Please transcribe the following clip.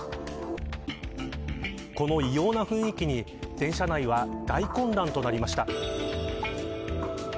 この異様な雰囲気に電車内は大混乱となりました。